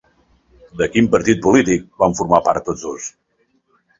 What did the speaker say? De quin partit polític van formar part tots dos?